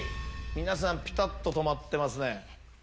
皆さんピタっと止まってますね。